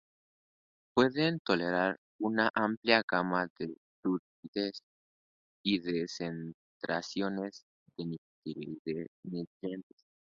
Pueden tolerar una amplia gama de turbidez y de concentraciones de nutrientes.